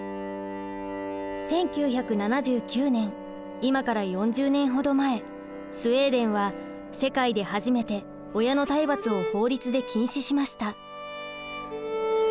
１９７９年今から４０年ほど前スウェーデンは世界で初めて親の体罰を法律で禁止しました。